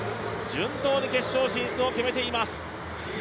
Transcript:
順当に決勝進出を決めています。